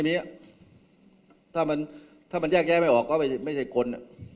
ไม่มีถ้ามันแยกแย้วไม่ออกก็ไม่ใช่คน